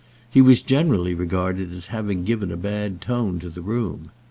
He was generally regarded as having given a bad tone to the room.